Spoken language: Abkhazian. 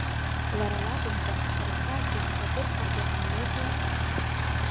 Лара лакәымкәан, рԥа дымҵадырсыргьы ҟамлози.